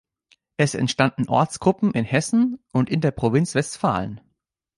Es entstanden Ortsgruppen in Hessen und in der Provinz Westfalen.